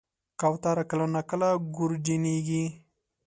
کوتره کله ناکله ګورجنیږي.